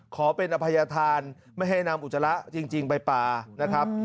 ขอเป็นอภัยธานไม่ให้นำอุจจาระจริงไปปลานะครับ